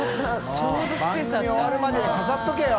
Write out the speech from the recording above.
番組終わるまで飾っとけよ。